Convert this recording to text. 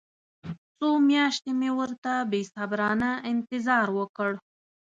څو میاشتې مې ورته بې صبرانه انتظار وکړ.